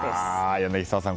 柳澤さん